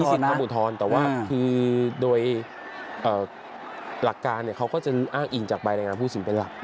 สินคำอุทธรณ์แต่ว่าคือโดยหลักการเขาก็จะอ้างอิงจากใบรายงานผู้สินเป็นหลัก